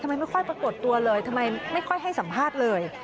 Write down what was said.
ไม่ค่อยปรากฏตัวเลยทำไมไม่ค่อยให้สัมภาษณ์เลย